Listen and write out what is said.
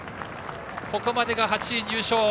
ここまでが８位入賞。